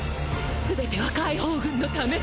全ては解放軍の為！